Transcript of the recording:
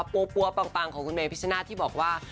ปัวปังของคุณเมธ์พิชชณัดที่บอกว่า